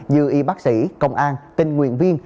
dư y bác sĩ công an tình nguyện viên